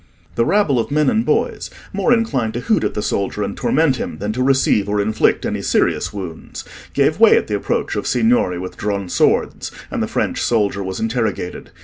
The rabble of men and boys, more inclined to hoot at the soldier and torment him than to receive or inflict any serious wounds, gave way at the approach of signori with drawn swords, and the French soldier was interrogated.